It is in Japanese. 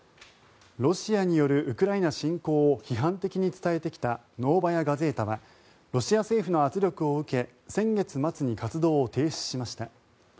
ロシアによるウクライナ侵攻を批判的に伝えてきたノーバヤ・ガゼータはロシア政府の圧力を受け先月末に活動を停止しました。